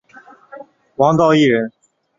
王道义人。